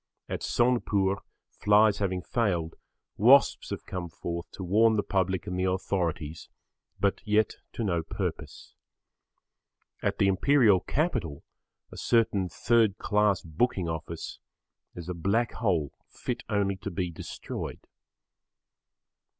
At Sonepur flies having failed, wasps have come forth to warn the public and the authorities, but yet to no purpose. At the Imperial Capital a certain third class booking office is a Black Hole fit only to be destroyed.